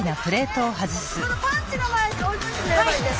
そこのパンチの周りに置いといてくれればいいです。